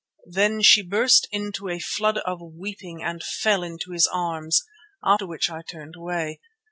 Then she burst into a flood of weeping and fell into his arms, after which I turned away.